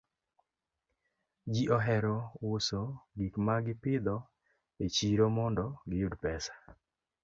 Ji ohero uso gik ma gipidho e chiro mondo giyud pesa.